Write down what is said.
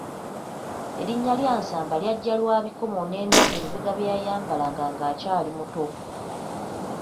Erinnya lya Nsamba lyajja lwa bikomo n'endege Lubega bye yayambalanga ng'akyali muto.